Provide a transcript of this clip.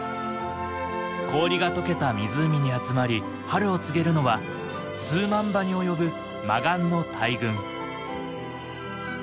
氷がとけた湖に集まり春を告げるのは数万羽に及ぶマガンの大群。